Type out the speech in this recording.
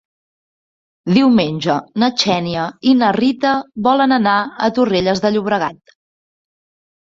Diumenge na Xènia i na Rita volen anar a Torrelles de Llobregat.